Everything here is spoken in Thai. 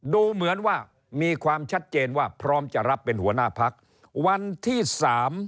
ดูเหมือนว่ามีความชัดเจนว่าพร้อมจะรับเป็นหัวหน้าพักวันที่สาม